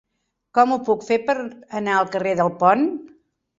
Com ho puc fer per anar al carrer del Pont?